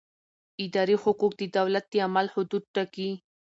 اداري حقوق د دولت د عمل حدود ټاکي.